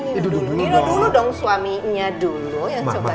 nino dulu dong suaminya dulu yang cobain